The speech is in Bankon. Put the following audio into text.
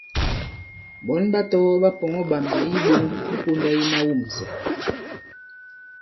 Ɓɔ̌n ɓa tɔgɔ̄ ɓa pɔ̀ŋɔ̄ ɓàmbɛ̀ i iɓoŋ i pōnda yi mawûmsɛ̀.